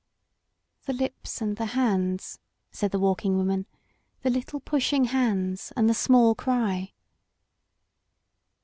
The lips and the hands," said the Walking Woman. *The little, pushing hands and the small cry."